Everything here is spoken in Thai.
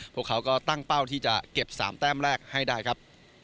พวกเขาก็ตั้งเป้าที่จะเก็บ๓แต้มแรกให้ได้ครับ